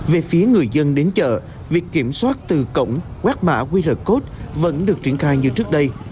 về phía người dân đến chợ việc kiểm soát từ cổng quét mã qr code vẫn được triển khai như trước đây